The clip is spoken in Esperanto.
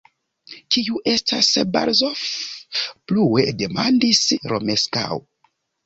Kiu estas Barazof? plue demandis Romeskaŭ.